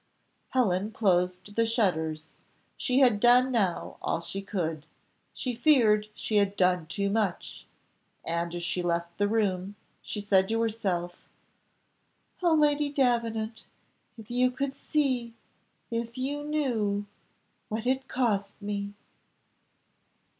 Helen closed the shutters she had now done all she could; she feared she had done too much; and as she left the room, she said to herself, "Oh, Lady Davenant! if you could see if you knew what it cost me!"